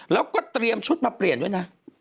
แล้วก็เตรียมชุดมาเปลี่ยนด้วยนะ